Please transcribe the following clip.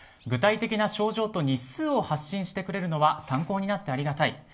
具体的な症状と日数を発信してくれるのは参考になってありがたい。